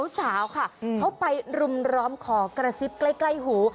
สาวค่ะเขาไปรุมร้อมขอกระซิบใกล้หู